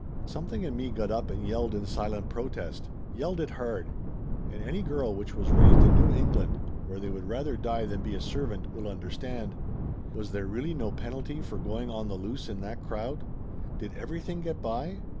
Something in me got up and yelled in silent protest; yelled it hard. And any girl which was raised in New England, where they would rather die than be a servant, will understand. Was there really no penalty for going on the loose in that crowd ? Did everything get by?